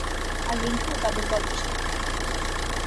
আর রিংকু তাদের গল্পের সাক্ষী।